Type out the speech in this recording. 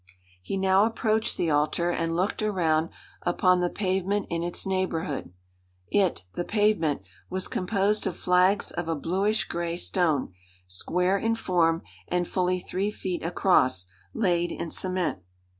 He now approached the altar and looked around upon the pavement in its neighborhood. It the pavement was composed of flags of a bluish gray stone, square in form and fully three feet across, laid in cement.